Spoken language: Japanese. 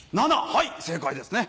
はい正解ですね。